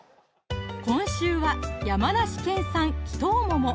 今週は山梨県産「貴糖桃」